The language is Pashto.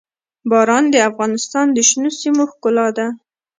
باران د افغانستان د شنو سیمو ښکلا ده.